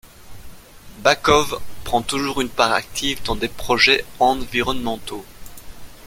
Bakov prend toujours une part active dans des projets environnementaux.